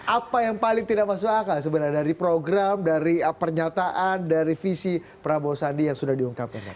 apa yang paling tidak masuk akal sebenarnya dari program dari pernyataan dari visi prabowo sandi yang sudah diungkapkan pak